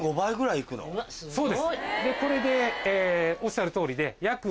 そうですでこれでおっしゃる通りで。